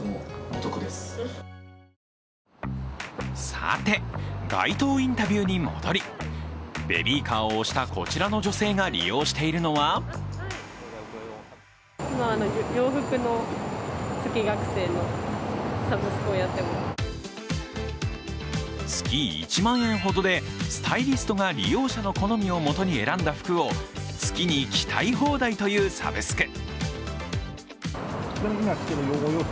さて、街頭インタビューに戻り、ベビーカーを押したこちらの女性が利用しているのは月１万円ほどでスタイリストが利用者の好みを元に選んだ服を月に着たい放題というサブスク。